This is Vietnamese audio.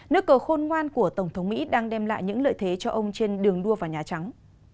nước cờ khôn ngoan của tổng thống mỹ đang đem lại những lợi thế cho ông trên đường đua vào nhà trắng